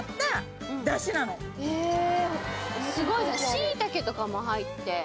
シイタケとかも入って。